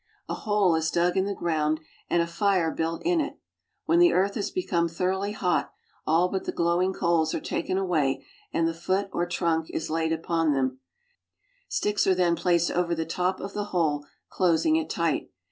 A hole is dug in the ground and a fire built in it. When ^^_ the earth has become thoroughly hot, ^^^kjlll but the glowing coals are taken away, and the foot or ^^V trunk is laid upon thera. Sticks are then placed over the ^^^ top of the hole, closing it tight.